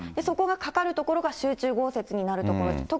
そこがかかる所が、集中豪雪になる所です。